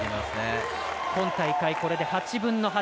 今大会これで８分の８。